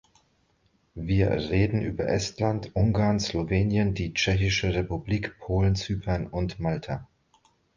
Wir reden über Estland, Ungarn, Slowenien, die Tschechische Republik, Polen, Zypern und Malta.